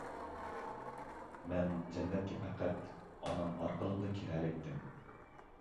مەن جەننەتكە پەقەت ئانام ئارقىلىقلا كىرەلەيتتىم.